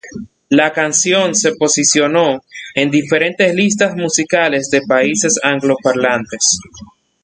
La canción se posicionó en diferentes listas musicales de países angloparlantes.